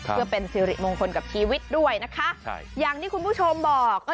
เพื่อเป็นสิริมงคลกับชีวิตด้วยนะคะ